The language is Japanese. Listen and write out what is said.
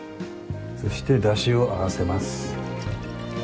そしてだしを合わせます。